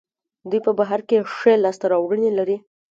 دوی په بهر کې ښې لاسته راوړنې لري.